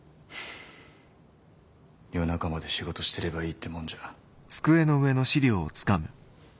夜中まで仕事してればいいってもんじゃ。